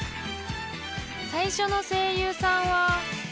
［最初の声優さんは］